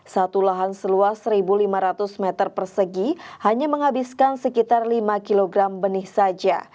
satu lahan seluas satu lima ratus meter persegi hanya menghabiskan sekitar lima kg benih saja